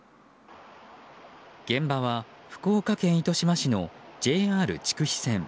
現場は福岡県糸島市のＪＲ筑肥線。